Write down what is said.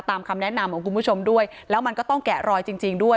คำแนะนำของคุณผู้ชมด้วยแล้วมันก็ต้องแกะรอยจริงด้วย